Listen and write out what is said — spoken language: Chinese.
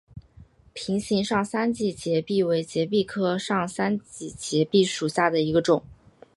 瓶形上三脊节蜱为节蜱科上三脊节蜱属下的一个种。